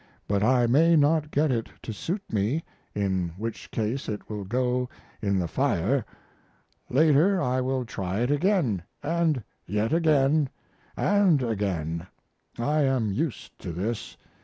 But I may not get it to suit me, in which case it will go in the fire. Later I will try it again & yet again & again. I am used to this.